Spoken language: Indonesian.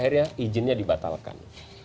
akhirnya izinnya dibatalkan